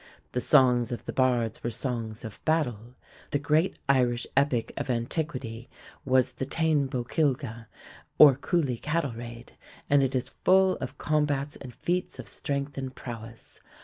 The songs of the bards were songs of battle; the great Irish epic of antiquity was the_ Táin Bó Cúalnge_, or Cooley Cattle raid, and it is full of combats and feats of strength and prowess.